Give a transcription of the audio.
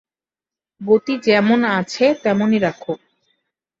গতি যেমন আছে তেমনই রাখো।